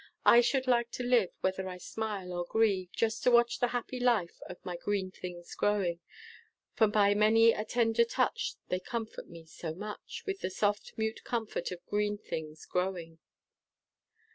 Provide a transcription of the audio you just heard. I should like to live, whether I smile or grieve, Just to watch the happy life of my green things growing, For by many a tender touch, they comfort me so much, With the soft, mute comfort of green things growing."